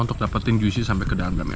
untuk mendapatkan jusnya sampai ke dalamnya